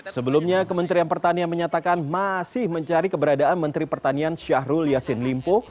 sebelumnya kementerian pertanian menyatakan masih mencari keberadaan menteri pertanian syahrul yassin limpo